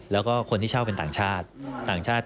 แล้วก็คนที่เช่าเป็นต่างชาติ